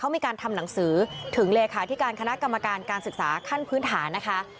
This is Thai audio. มีการทำหนังสือถึงเลขาธิการคณะกรรมการการศึกษาขั้นพื้นฐานนะคะ